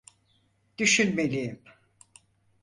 Düşünmeliyim.